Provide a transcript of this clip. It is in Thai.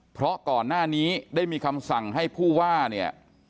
เพราะก่อนหน้านี้ได้มีคำสั่งให้ผู้ว่าเนี่ย